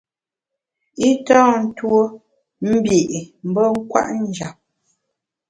I tâ ntuo mbi’ mbe kwet njap.